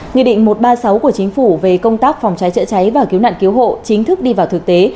nghị định một trăm ba mươi sáu của chính phủ về công tác phòng cháy chữa cháy và cứu nạn cứu hộ chính thức đi vào thực tế